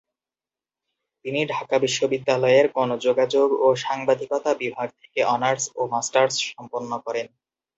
তিনি ঢাকা বিশ্ববিদ্যালয়ের গণযোগাযোগ ও সাংবাদিকতা বিভাগ থেকে অনার্স ও মাস্টার্স সম্পন্ন করেন।